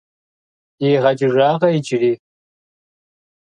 Иригъэкӏыжакъэ иджыри?